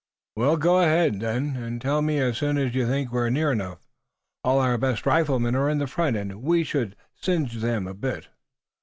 "We'll go ahead, then, and tell me as soon as you think we're near enough. All our best riflemen are in front, and we should singe them a bit."